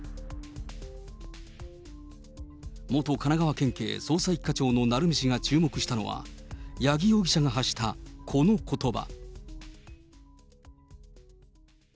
元神奈川県警捜査１課長の鳴海氏が注目したのは、八木容疑者が発したこのことば。